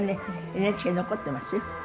ＮＨＫに残ってますよ。